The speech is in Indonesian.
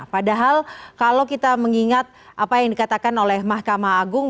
padahal kalau kita mengingat apa yang dikatakan oleh mahkamah agung